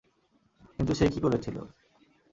কিন্তু সে কী করেছিল?